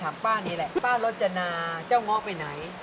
ป้านี่แหละป้ารจนาเจ้าง้อไปไหน